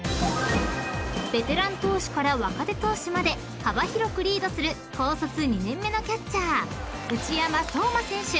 ［ベテラン投手から若手投手まで幅広くリードする高卒２年目のキャッチャー内山壮真選手］